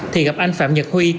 thì gặp anh phạm nhật huy